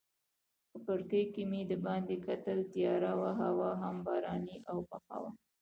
په کړکۍ کې مې دباندې کتل، تیاره وه هوا هم باراني او یخه وه.